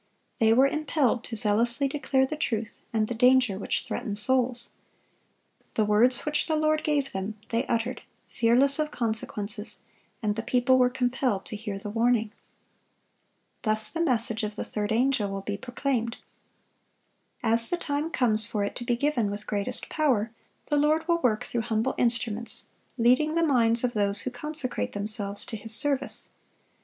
They were impelled to zealously declare the truth, and the danger which threatened souls. The words which the Lord gave them they uttered, fearless of consequences, and the people were compelled to hear the warning. Thus the message of the third angel will be proclaimed. As the time comes for it to be given with greatest power, the Lord will work through humble instruments, leading the minds of those who consecrate themselves to His service.